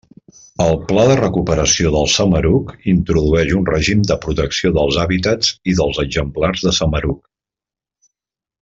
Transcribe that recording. El Pla de Recuperació del Samaruc introdueix un règim de protecció dels hàbitats i dels exemplars de samaruc.